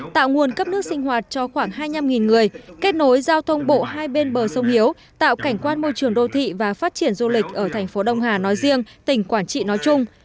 tạo nguồn cấp nước sinh hoạt cho khoảng hai mươi năm người kết nối giao thông bộ hai bên bờ sông hiếu tạo cảnh quan môi trường đô thị và phát triển du lịch ở thành phố đông hà nói riêng tỉnh quảng trị nói chung